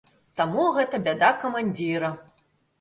Таму гэта бяда камандзіра.